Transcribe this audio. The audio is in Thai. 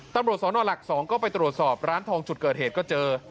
ตำรวจสนหลัก๒ก็ไปตรวจสอบร้านทองจุดเกิดเหตุก็เจอ